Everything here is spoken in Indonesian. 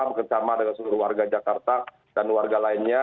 bersama dengan seluruh warga jakarta dan warga lainnya